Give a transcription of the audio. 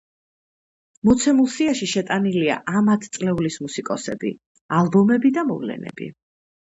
მოცემულ სიაში შეტანილია ამ ათწლეულის მუსიკოსები, ალბომები და მოვლენები.